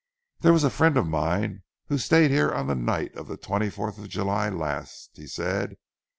"There was a friend of mine who stayed here on the night of the twenty fourth of July last," he said.